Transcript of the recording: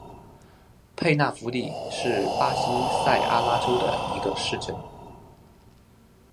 佩纳福蒂是巴西塞阿拉州的一个市镇。